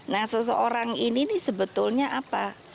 nah seseorang ini sebetulnya apa